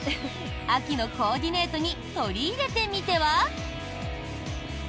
秋のコーディネートに取り入れてみては？